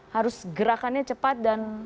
harus gerakannya cepat dan